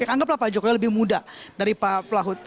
anggaplah pak jokowi lebih muda dari pak luhut